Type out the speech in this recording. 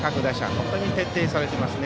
本当に徹底されていますね。